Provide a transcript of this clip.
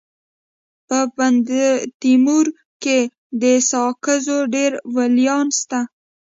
په بندتیمور کي د ساکزو ډير ولیان سته.